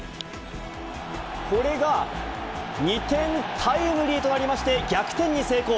これが２点タイムリーとなりまして、逆転に成功。